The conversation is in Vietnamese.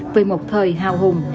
về một thời hào hùng